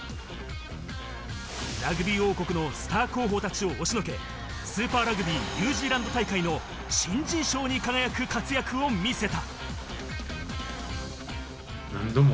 ラグビー王国のスター候補たちを押しのけ、スーパーラグビー・ニュージーランド大会の新人賞に輝く活躍を見せた。